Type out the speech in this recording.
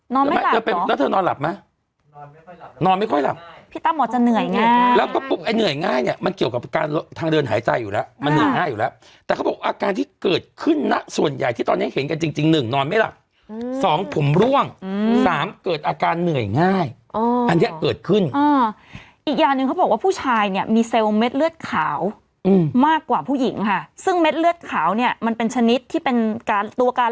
นอนไม่หลับหรอแล้วเธอนอนหลับไหมนอนไม่ค่อยหลับพี่ตั้มบอกจะเหนื่อยง่ายแล้วก็ปุ๊บไอ้เหนื่อยง่ายเนี่ยมันเกี่ยวกับการทางเดินหายใจอยู่แล้วมันเหนื่อยง่ายอยู่แล้วแต่เขาบอกอาการที่เกิดขึ้นน่ะส่วนใหญ่ที่ตอนนี้เห็นกันจริงหนึ่งนอนไม่หลับสองผมร่วงสามเกิดอาการเหนื่อยง่ายอันเนี่ยเกิดขึ้นอีกยานึงเขา